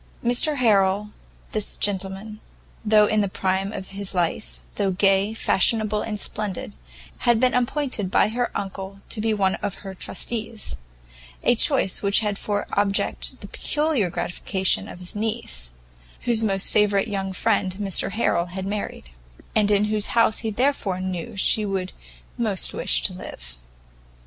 Mr Harrel, this gentleman, though in the prime of his life, though gay, fashionable and splendid, had been appointed by her uncle to be one of her trustees; a choice which had for object the peculiar gratification of his niece, whose most favourite young friend Mr Harrel had married, and in whose house he therefore knew she would most wish to live.